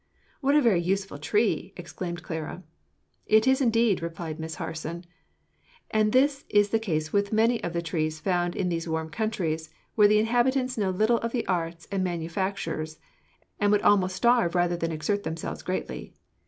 "What a very useful tree!" exclaimed Clara. "It is indeed," replied Miss Harson; "and this is the case with many of the trees found in these warm countries, where the inhabitants know little of the arts and manufactures, and would almost starve rather than exert themselves very greatly.